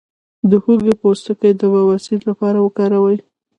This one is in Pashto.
د هوږې پوستکی د بواسیر لپاره وکاروئ